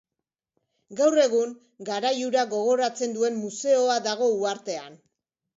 Gaur egun, garai hura gogoratzen duen museoa dago uhartean.